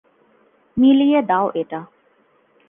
মিলিয়ে দাও এটা।